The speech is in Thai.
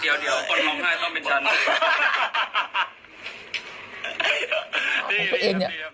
เดี๋ยวคนร้องไห้ต้องเป็นฉัน